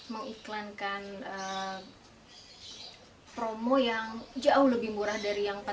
mengiklankan promo yang jauh lebih murah dari yang empat belas tiga ratus itu